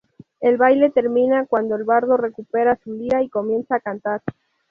El baile termina cuando el bardo recupera su lira y comienza a cantar.